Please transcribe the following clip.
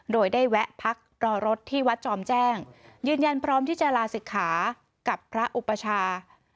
โดยได้แวะพักรอรถที่วัดจอมแจ้งยืนยันพร้อมที่จะลาศิกขากับพระอุปชา